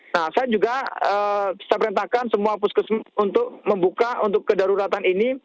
saya juga bisa perintahkan semua pusko untuk membuka untuk kedaruratan ini